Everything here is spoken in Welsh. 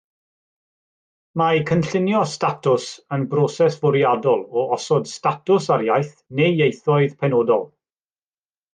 Mae cynllunio statws yn broses fwriadol o osod statws ar iaith neu ieithoedd penodol.